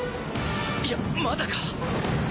いやまだか。